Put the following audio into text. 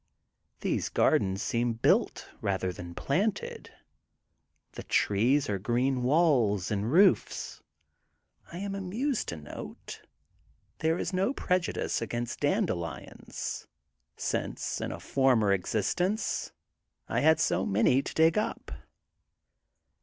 These gardens seem built rather than planted. The trees are green walls and roofs. I am amused to note there is no prejudice against dande lions, since, in a former existence, I had so many to dig up.